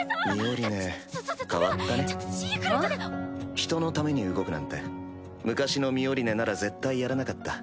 人のために動くなんて昔のミオリネなら絶対やらなかった。